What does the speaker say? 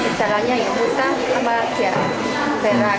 misalnya yang muntah tapi ya berat